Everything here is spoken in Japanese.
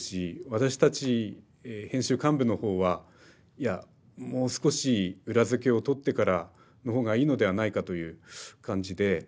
私たち編集幹部の方は「いやもう少し裏付けをとってからの方がいいのではないか」という感じで。